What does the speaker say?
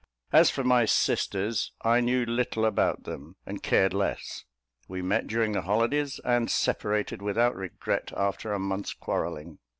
As for my sisters, I knew little about them, and cared less: we met during the holidays, and separated, without regret, after a month's quarrelling.